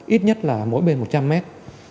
ít nhất là mỗi bên một trăm linh mét